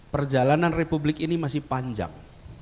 perjalanan republik ini masih panjang